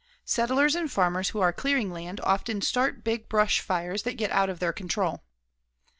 Settlers and farmers who are clearing land often start big brush fires that get out of their control.